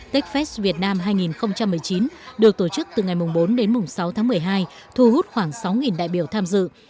techfest việt nam hai nghìn một mươi chín được tổ chức từ ngày bốn đến sáu tháng một mươi hai thu hút khoảng sáu đại biểu tham dự